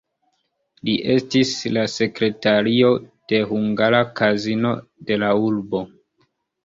Li estis la sekretario de hungara kazino de la urbo.